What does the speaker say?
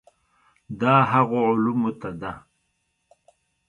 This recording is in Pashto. دا هغو علومو ته ده.